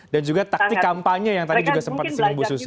dan juga taktik kampanye yang tadi juga sempat disingin bu susi